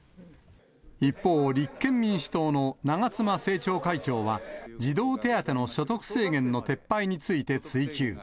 一方、立憲民主党の長妻政調会長は、児童手当の所得制限の撤廃について追及。